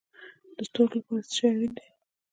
د ستورو لپاره څه شی اړین دی؟